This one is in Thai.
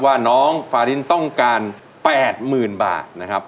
ว่าน้องฟารินต้องการ๘๐๐๐บาทนะครับ